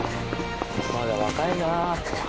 まだ若いな。